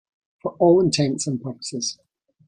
For all intents and purposes.